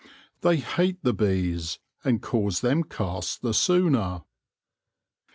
They hate the bees, and cause them cast the sooner.'